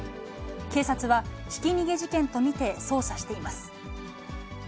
警察は、ひき逃げ事件と見て捜査しています。